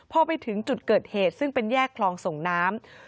พอไปถึงจุดเกิดเหตุซึ่งเป็นแยกคลองส่งน้ำ